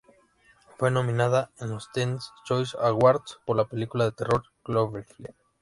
Fue nominada en los Teen Choice Awards por la película de terror "Cloverfield".